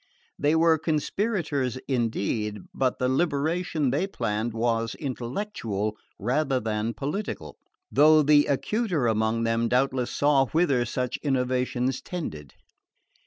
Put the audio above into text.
They were conspirators indeed, but the liberation they planned was intellectual rather than political; though the acuter among them doubtless saw whither such innovations tended.